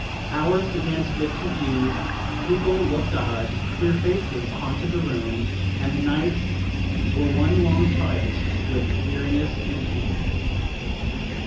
Hours began to get confused; people looked odd; queer faces haunted the room, and the nights were one long fight with weariness and pain.